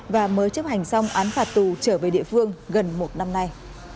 và mới chấp hành xong án phạt tù trở về địa phương gần một năm nay